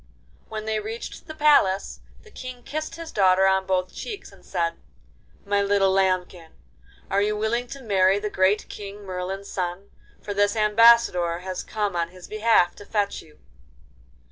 When they reached the palace the King kissed his daughter on both cheeks, and said: 'My little lambkin, are you willing to marry the great King Merlin's son, for this Ambassador has come on his behalf to fetch you?